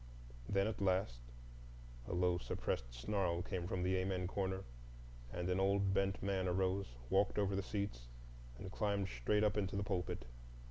Then at last a low suppressed snarl came from the Amen corner, and an old bent man arose, walked over the seats, and climbed straight up into the pulpit.